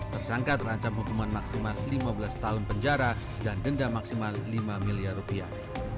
tersangka terancam hukuman maksimal lima belas tahun penjara dan denda maksimal lima miliar rupiah